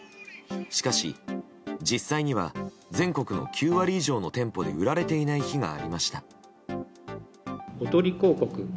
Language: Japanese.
しかし、実際には全国の９割以上の店舗で売られていない日がありました。